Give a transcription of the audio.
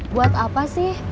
buat apa sih